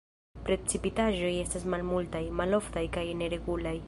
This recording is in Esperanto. Precipitaĵoj estas malmultaj, maloftaj kaj neregulaj.